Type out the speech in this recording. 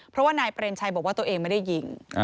เพราะว่านายเปรมชัยบอกว่าตัวเองไม่ได้ยิง